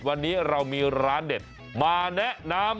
วันนี้เรามีร้านเด็ดมาแนะนำ